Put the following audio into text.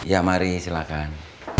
ya mari silakan